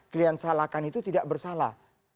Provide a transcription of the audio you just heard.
kalian salahkan itu tidak bersalah